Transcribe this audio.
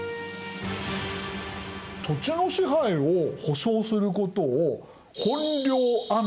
土地の支配を保証することを本領安堵といいます。